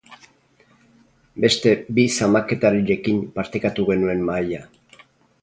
Beste bi zamaketarirekin partekatu genuen mahaia.